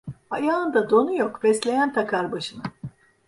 Ayağında donu yok, fesleğen takar başına.